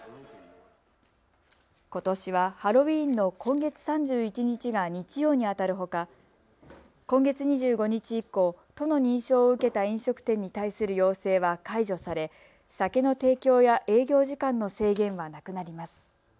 ことしはハロウィーンの今月３１日が日曜にあたるほか、今月２５日以降、都の認証を受けた飲食店に対する要請は解除され酒の提供や営業時間の制限はなくなります。